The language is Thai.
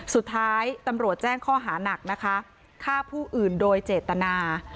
สุดท้ายตำรวจแจ้งข้อหานักนะคะฆ่าผู้อื่นโดยเจตนา